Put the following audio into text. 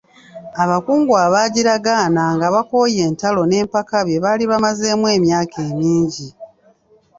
Abakungu abaagiragaana nga bakooye entalo n'empaka bye baali bamazeemu emyaka emingi.